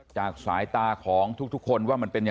จะไปให้กำลังใจประชาชนด้วย